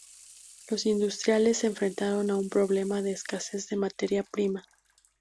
Los industriales se enfrentaron a un problema de escasez de materia prima.